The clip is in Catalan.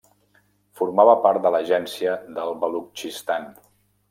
Formava part de l'Agència del Balutxistan.